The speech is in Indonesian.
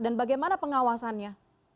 dan bagaimana pengawasannya